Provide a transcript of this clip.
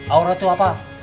aura tuh apa